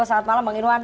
selamat malam bang irwan